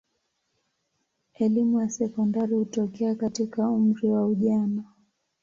Elimu ya sekondari hutokea katika umri wa ujana.